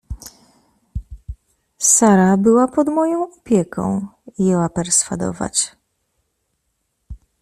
— Sara była pod moją opieką — jęła perswadować.